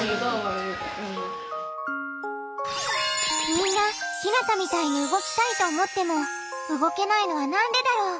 みんなひなたみたいに動きたいと思っても動けないのはなんでだろう？